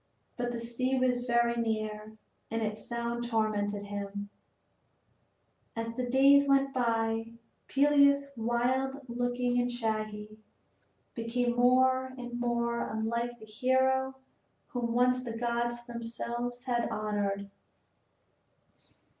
But the sea was very near and its sound tormented him, and as the days went by, Peleus, wild looking and shaggy, became more and more unlike the hero whom once the gods themselves had honored.